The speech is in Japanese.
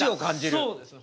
そうですね